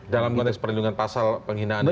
dalam konteks perlindungan pasal penghinaan ini ya